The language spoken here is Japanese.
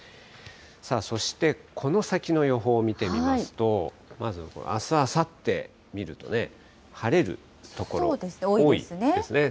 さあ、そしてこの先の予報を見てみますと、まずあす、あさって、見るとね、晴れる所多いですね。